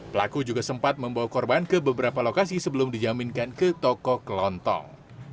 pelaku juga sempat membawa korban ke beberapa lokasi sebelum dijaminkan ke toko kelontong